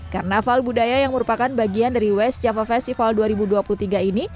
karnaval budaya yang merupakan bagian dari west java festival dua ribu dua puluh tiga ini